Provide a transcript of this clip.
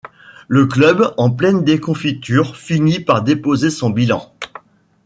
Le club en pleine déconfiture finit par déposer son bilan.